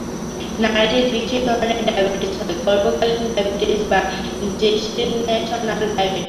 নারীদের বিশেষ ধরনের ডায়াবেটিস হয়—গর্ভকালীন ডায়াবেটিস বা জেসটেশনাল ডায়াবেটিস।